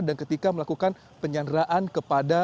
dan ketika melakukan penyanderaan ke padang